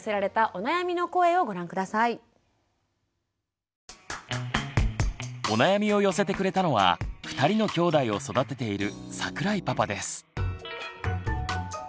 お悩みを寄せてくれたのは二人の兄弟を育てている桜井パパです。